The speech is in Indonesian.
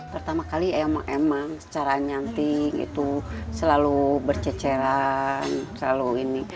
pertama kali emang secara nyanting itu selalu berceceran selalu ini